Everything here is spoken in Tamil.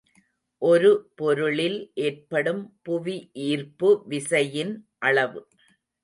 ஒரு பொருளில் ஏற்படும் புவிஈர்ப்பு விசையின் அளவு.